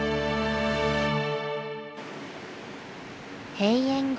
閉園後。